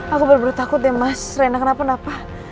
aku baru baru takut ya mas rena kenapa napa